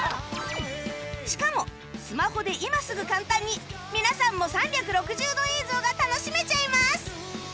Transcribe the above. しかもスマホで今すぐ簡単に皆さんも３６０度映像が楽しめちゃいます